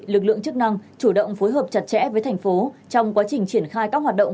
lực lượng chức năng chủ động phối hợp chặt chẽ với thành phố trong quá trình triển khai các hoạt động